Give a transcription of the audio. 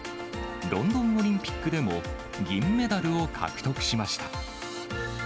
ロンドンオリンピックでも、銀メダルを獲得しました。